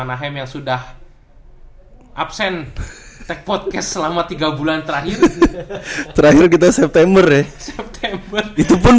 nah m yang sudah absen tech podcast selama tiga bulan terakhir terakhir kita september ya september itu pun